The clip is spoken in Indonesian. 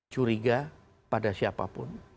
curiga pada siapapun